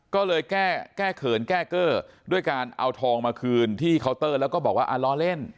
ก็เลยแก้เขินแก้เกอร์ด้วยการเอาทองมาคืนที่เคาน์เตอร์แล้วก็บอกว่าล้อเล่น